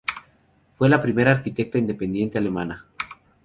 Fue la primera arquitecta independiente alemana.